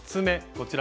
こちら。